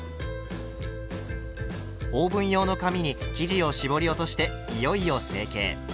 オーブン用の紙に生地を絞り落としていよいよ成形。